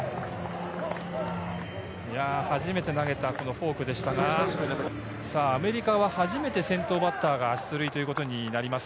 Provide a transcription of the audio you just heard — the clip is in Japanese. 初めて投げたフォークでしたが、アメリカは初めて先頭バッターが出塁となります。